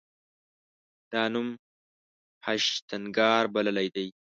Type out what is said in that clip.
دا نوم هشتنګار بللی دی.